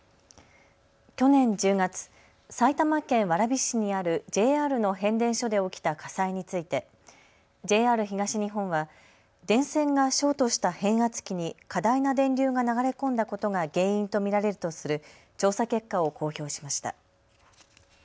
去年１０月、埼玉県蕨市にあるＪＲの変電所で起きた火災についてＪＲ東日本は前線がショートした変圧器に過大な電流が流れ込んだことが原因と見られるとする調査結果を公表しました。